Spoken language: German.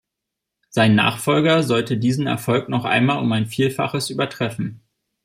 Sein Nachfolger sollte diesen Erfolg noch einmal um ein Vielfaches übertreffen.